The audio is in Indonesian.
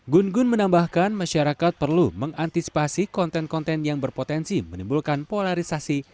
gun gun menambahkan masyarakat perlu mengantisipasi konten konten yang berpotensi menimbulkan polarisasi